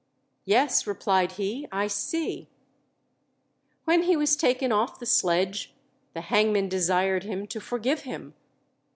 "Yes," replied he, "I see." When he was taken off the sledge, the hangman desired him to forgive him.